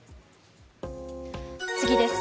次です。